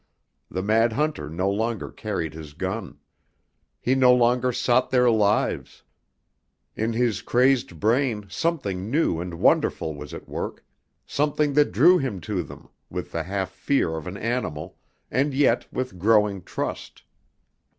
The mad hunter no longer carried his gun. He no longer sought their lives. In his crazed brain something new and wonderful was at work, something that drew him to them, with the half fear of an animal, and yet with growing trust.